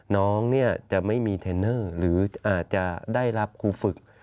น้องจะไม่มีเทรนเนอร์หรืออาจจะได้รับครูฝึก